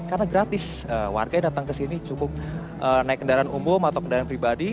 karena gratis warga yang datang ke sini cukup naik kendaraan umum atau kendaraan pribadi